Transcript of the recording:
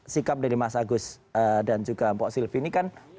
sikap dari mas agus dan juga mbak silvi ini kan